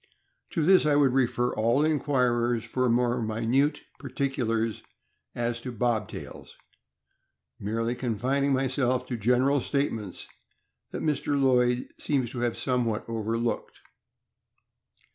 To this I would refer all inquirers for more minute partic ulars as to Bobtails, merely confining myself to general statements that Mr. Lloyd seems to have somewhat over looked.